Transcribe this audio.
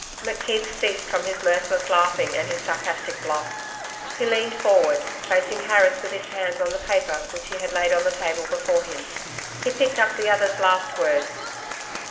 McKeith ceased from his mirthless laughing and his sarcastic bluff. He leaned forward, facing Harris with his hands on the paper which he had laid on the table before him. He picked up the other's last words.